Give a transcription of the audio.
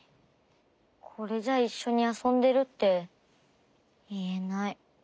これじゃいっしょにあそんでるっていえない。